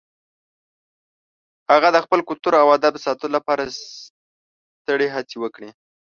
هغه د خپل کلتور او ادب ساتلو لپاره سترې هڅې وکړې.